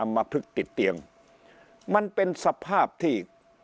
อัมพฤกษ์ติดเตียงมันเป็นสภาพที่